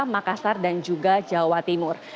makassar dan juga jawa timur